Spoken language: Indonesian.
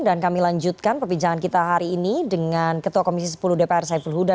dan kami lanjutkan perbincangan kita hari ini dengan ketua komisi sepuluh dpr saiful huda